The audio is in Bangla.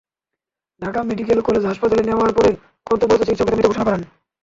ঢাকা মেডিকেল কলেজ হাসপাতালে নেওয়ার পরে কর্তব্যরত চিকিৎসক তাঁকে মৃত ঘোষণা করেন।